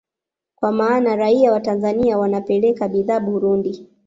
Kwa maana raia wa Tanzania wanapeleka bidhaa Burundi